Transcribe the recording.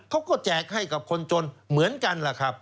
แจกให้กับคนจนเหมือนกันล่ะครับ